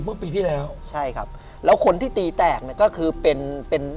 เมื่อปีที่แล้วใช่ครับแล้วคนที่ตีแตกเนี่ยก็คือเป็นเป็น